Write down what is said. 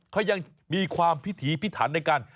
เขายังมีความพิถีพิถันในการ